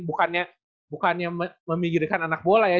bukannya memikirkan anak bola ya